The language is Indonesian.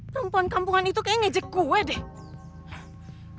perempuan kampungan itu kayak ngajak gue deh